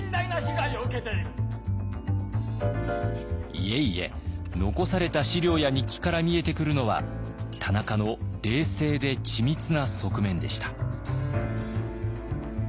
いえいえ残された資料や日記から見えてくるのは田中の冷静で緻密な側面でした。